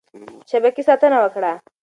د شبکې ساتنه وکړه.